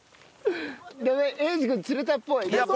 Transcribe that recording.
英二君釣れたっぽい。